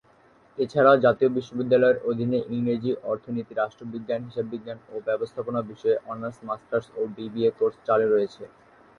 এছাড়াও জাতীয় বিশ্ববিদ্যালয়ের অধীনে ইংরেজি, অর্থনীতি, রাষ্ট্রবিজ্ঞান, হিসাববিজ্ঞান ও ব্যবস্থাপনা বিষয়ে অনার্স, মাস্টার্স ও বিবিএ কোর্স চালু রয়েছে।